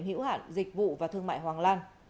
hữu hạn dịch vụ và thương mại hoàng lan